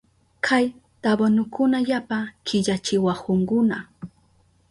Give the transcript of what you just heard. Kay tabanukuna yapa killachiwahunkuna.